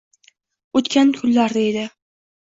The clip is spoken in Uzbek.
O’tgan kunlar deydi.